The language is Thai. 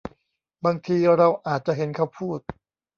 บางที เราอาจจะเห็นเขาพูด